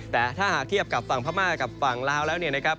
แต่ถ้าหากเทียบกับฝั่งพม่ากับฝั่งลาวแล้วเนี่ยนะครับ